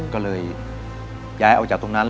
ก็เลยย้ายออกจากตรงนั้น